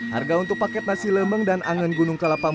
harga untuk paket nasi lemeng dan angan gunung kelapa mulut ini